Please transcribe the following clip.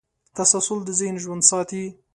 تسلسل د ذهن ژوند ساتي.